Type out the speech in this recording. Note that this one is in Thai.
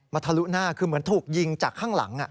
ทะลุหน้าคือเหมือนถูกยิงจากข้างหลัง